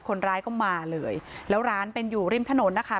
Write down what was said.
คนร้ายก็มาเลยแล้วร้านเป็นอยู่ริมถนนนะคะ